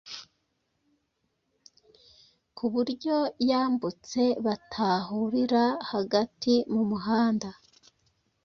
ku buryo yambutse batahurira hagati mu muhanda,